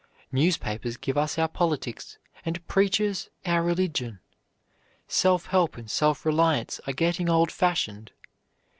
Newspapers give us our politics, and preachers our religion. Self help and self reliance are getting old fashioned.